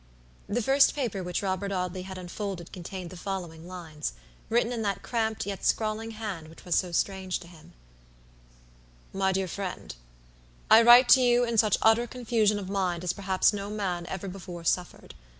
The first paper which Robert Audley had unfolded contained the following lines, written in that cramped, yet scrawling hand which was so strange to him: "MY DEAR FRIENDI write to you in such utter confusion of mind as perhaps no man ever before suffered.